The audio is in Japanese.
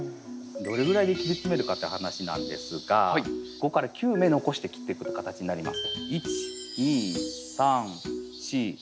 どれぐらいで切り詰めるかって話なんですが５から９芽残して切っていく形になります。